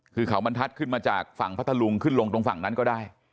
คือเขาบรรทัศน์ขึ้นมาจากฝั่งพัทธลุงขึ้นลงตรงฝั่งนั้นก็ได้